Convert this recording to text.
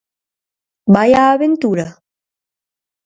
Vai á aventura?